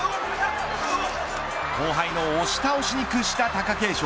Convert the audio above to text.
後輩の押し倒しに屈した貴景勝。